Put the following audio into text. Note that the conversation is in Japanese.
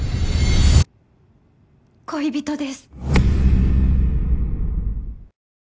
恋人です。